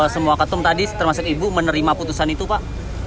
semua ketum tadi termasuk ibu menerima putusan itu pak